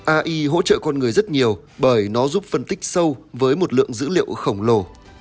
ai hỗ trợ con người rất nhiều bởi nó giúp phân tích sâu với một lượng dữ liệu khổng lồ